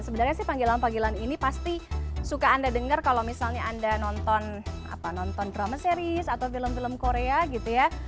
sebenarnya sih panggilan panggilan ini pasti suka anda dengar kalau misalnya anda nonton drama series atau film film korea gitu ya